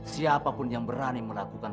siapapun yang berani melakukan